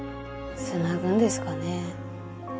つなぐんですかね